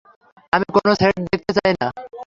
আমি কোন সেট দেখতে চাই না।